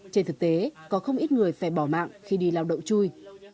trên thực tế có không ít người phải bỏ mạng khi đi lao động chui